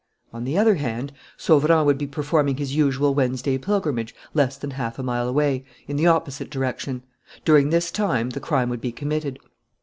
"On the other hand, Sauverand would be performing his usual Wednesday pilgrimage less than half a mile away, in the opposite direction. During this time the crime would be committed.